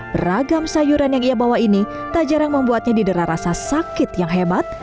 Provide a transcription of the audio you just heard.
beragam sayuran yang ia bawa ini tak jarang membuatnya didera rasa sakit yang hebat